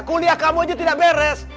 kuliah kamu aja tidak beres